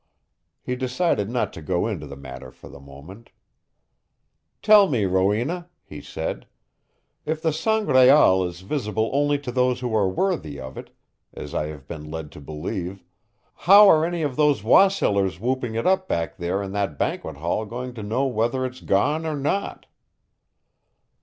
He decided not to go into the matter for the moment. "Tell me, Rowena," he said, "if the Sangraal is visible only to those who are worthy of it, as I have been led to believe, how are any of those wassailers whooping it up back there in that banquet hall going to know whether it's gone or not?"